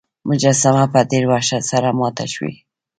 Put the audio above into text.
مجسمه په ډیر وحشت سره ماته شوې وه.